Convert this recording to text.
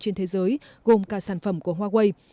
trên thế giới gồm cả sản phẩm của huawei